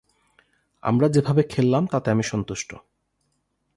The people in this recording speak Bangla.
আমরা যেভাবে খেললাম তাতে আমি সন্তুষ্ট।